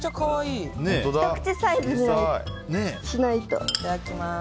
いただきます。